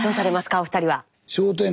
お二人は。